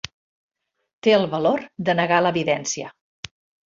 Té el valor de negar l'evidència.